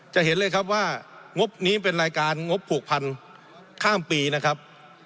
จะเห็นเลยครับว่างบนี้เป็นรายการงบผูกพันข้ามปีนะครับ